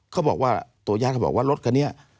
เค้าบอกว่ารถเค้าเนี่ย